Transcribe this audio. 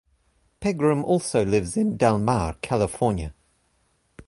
Pegram also lives in Del Mar, California.